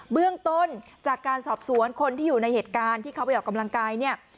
เบื้องต้นจากการสอบสวนคนที่อยู่ในเหตุการณ์ที่เขาไปออกกำลังกายเนี่ย